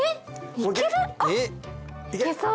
行けそう！